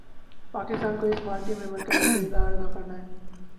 پاکستان کو اس معرکے میں مرکزی کردار ادا کرنا ہے۔